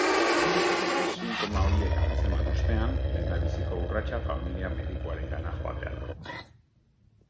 Sintoma horiek antzeman ostean, lehendabiziko urratsa familia-medikuarengana joatea da.